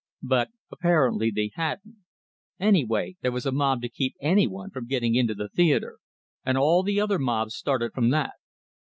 But apparently they hadn't; anyway, there was a mob to keep anyone from getting into the theatre, and all the other mobs started from that.